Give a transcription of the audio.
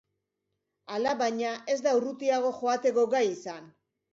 Alabaina, ez da urrutiago joateko gai izan.